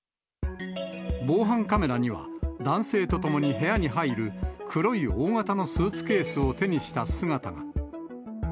防犯カメラには、男性と共に部屋に入る黒い大型のスーツケースを手にした姿が。